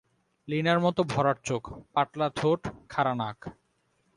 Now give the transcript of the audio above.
লীনার মতো ভরাট চোখ, পাতলা ঠোঁট, খাড়া নাক।